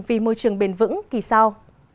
vì môi trường bền vững kỳ sau